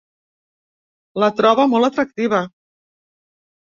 La troba molt atractiva.